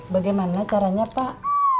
bagaimana caranya pak